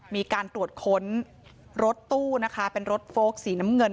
มีการตรวจค้นรถตู้นะคะเป็นรถโฟลกสีน้ำเงิน